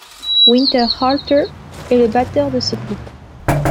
Winterhalter est le batteur de ce groupe.